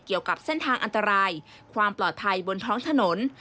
เกี่ยวกับเส้นทางอันตรายความปลอดภัยบนท้องถนน